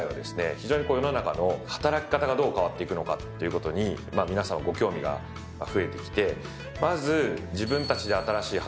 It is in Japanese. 非常に世の中の働き方がどう変わっていくのかっていうことに皆さんご興味が増えてきてまず。